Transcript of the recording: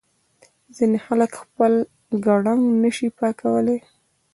ځینې خلک خپل ګړنګ نه شي پاکولای.